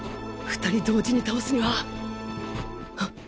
２人同時に倒すには